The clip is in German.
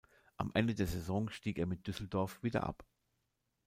Am Ende der Saison stieg er mit Düsseldorf wieder ab.